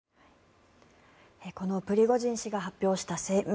このプリゴジン氏が発表した声明